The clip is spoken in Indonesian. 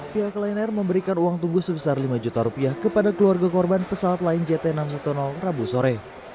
pihak lion air memberikan uang tunggu sebesar lima juta rupiah kepada keluarga korban pesawat lain jt enam ratus sepuluh rabu sore